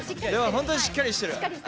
本当、しっかりしてる。